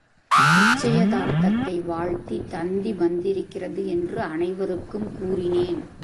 நிச்சயதார்த்தத்தை வாழ்த்தி தந்தி வந்திருக்கிறது என்று அனைவருக்கும் கூறினேன்.